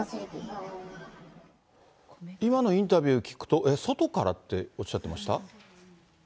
今のインタビュー聞くと、外からっておっしゃってました？